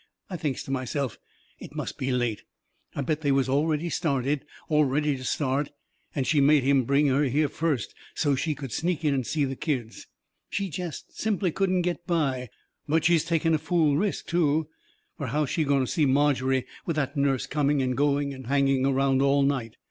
I thinks to myself: "It must be late. I bet they was already started, or ready to start, and she made him bring her here first so's she could sneak in and see the kids. She jest simply couldn't get by. But she's taking a fool risk, too. Fur how's she going to see Margery with that nurse coming and going and hanging around all night?